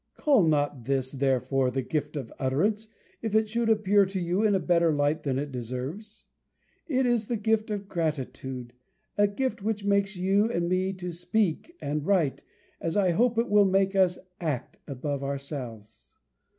Call not this, therefore, the gift of utterance, if it should appear to you in a better light than it deserves. It is the gift of gratitude; a gift which makes you and me to speak and write, as I hope it will make us act, above ourselves.